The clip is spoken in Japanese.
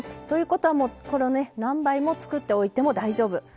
ということはこのね何倍も作っておいても大丈夫。